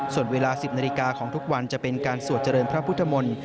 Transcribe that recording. ส่วนเวลา๑๐นาฬิกาของทุกวันจะเป็นการสวดเจริญพระพุทธมนตร์